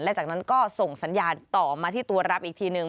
และจากนั้นก็ส่งสัญญาณต่อมาที่ตัวรับอีกทีหนึ่ง